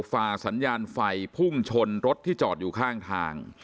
ฝ่าสัญญาณไฟพุ่งชนรถที่จอดอยู่ข้างทาง